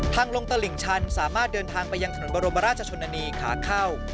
ลงตลิ่งชันสามารถเดินทางไปยังถนนบรมราชชนนานีขาเข้า